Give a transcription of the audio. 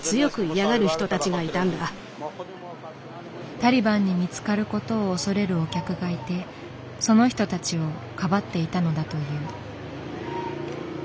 タリバンに見つかることを恐れるお客がいてその人たちをかばっていたのだという。